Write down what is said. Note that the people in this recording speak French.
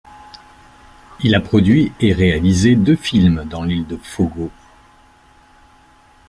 Il a produit et réalisé deux films dans l’île de Fogo.